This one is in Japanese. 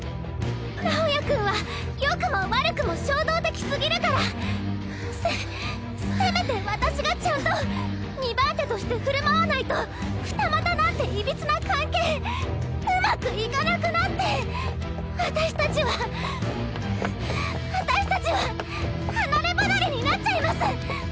直也君はよくも悪くも衝動的すぎるからせせめて私がちゃんと２番手として振る舞わないと二股なんていびつな関係うまくいかなくなって私たちははぁ私たちは離れ離れになっちゃいます。